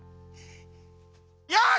よし！